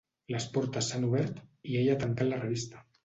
Les portes s'han obert i ell ha tancat la revista.